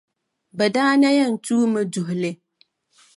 Bɛ daa na yɛn tuumi duhi li.